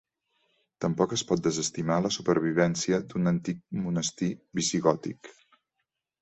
Tampoc es pot desestimar la supervivència d'un antic monestir visigòtic.